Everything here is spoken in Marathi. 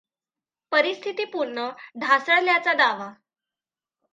परिस्थिती पूर्ण ढासळल्याचा दावा.